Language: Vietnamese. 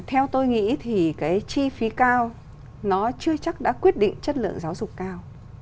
theo tôi nghĩ thì cái chi phí cao nó chưa chắc đã quyết định chất lượng giáo dục cao